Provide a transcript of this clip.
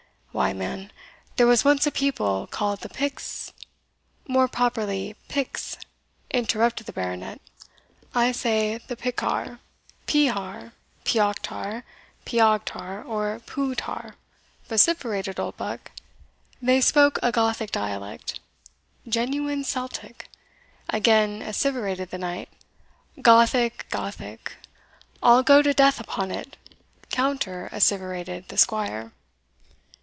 Why, man, there was once a people called the Piks" "More properly Picts," interrupted the Baronet. "I say the Pikar, Pihar, Piochtar, Piaghter, or Peughtar," vociferated Oldbuck; "they spoke a Gothic dialect" "Genuine Celtic," again asseverated the knight. "Gothic! Gothic! I'll go to death upon it!" counter asseverated the squire.